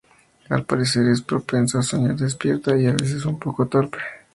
Al parecer es propensa a soñar despierta, y a veces es un poco torpe.